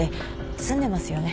住んでますよね。